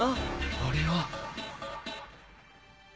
あれは。